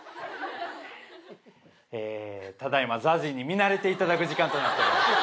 えただ今ＺＡＺＹに見慣れていただく時間となっております。